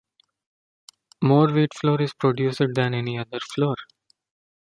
More wheat flour is produced than any other flour.